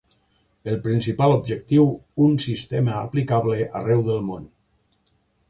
El principal objectiu: un sistema aplicable arreu del món.